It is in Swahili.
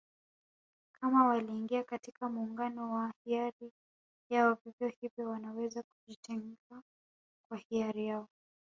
Kama waliingia katika Muungano kwa hiari yao vivyo hivyo wanaweza kujitenga kwa hiari yao